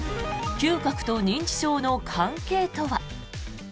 嗅覚と認知症の関係とは。